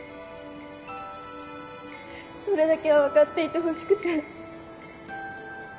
それだけは分かっていてほしくて。